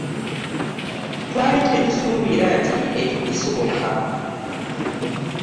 Twali tetusuubira nti ekyo kisoboka.